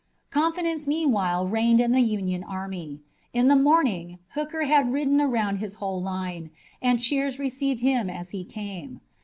Confidence meanwhile reigned in the Union army. In the morning Hooker had ridden around his whole line, and cheers received him as he came.